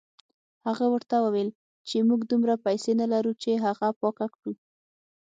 هغه ورته وویل چې موږ دومره پیسې نه لرو چې هغه پاکه کړو.